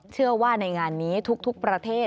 เชื่อว่าในงานนี้ทุกประเทศ